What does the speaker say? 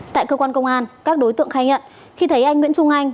tại cơ quan công an các đối tượng khai nhận khi thấy anh nguyễn trung anh